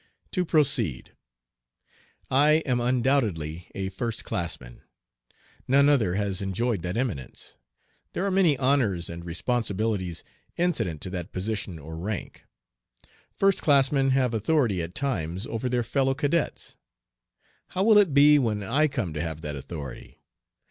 To proceed: I am undoubtedly a first classman. None other has enjoyed that eminence. There are many honors and responsibilities incident to that position or rank. First classmen have authority at times over their fellow cadets. How will it be when I come to have that authority?